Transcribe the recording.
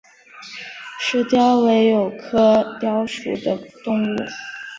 石貂为鼬科貂属的动物。